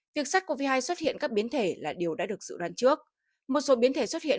việc sars cov hai xuất hiện các biến thể là điều đã được dự đoán trước một số biến thể xuất hiện